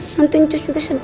nanti ngecus juga sedih